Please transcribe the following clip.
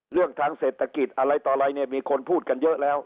เรื่องทางเศรษฐกิจอะไรต่ออะไรเนี่ยมีคนพูดกันเยอะแล้ว